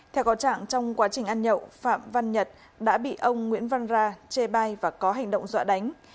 theo có trạng trong quá trình ăn nhậu phạm văn nhật đã bị ông nguyễn văn ra chê bai và có hành động dọa đánh